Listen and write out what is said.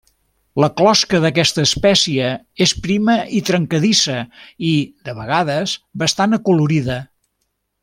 La closca d'aquesta espècie és prima i trencadissa i, de vegades, bastant acolorida.